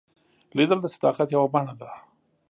لیدل د صداقت یوه بڼه ده